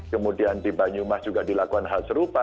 kemudian di banyumas juga dilakukan hal serupa